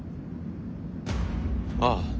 ああ。